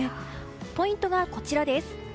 ポイントはこちらです。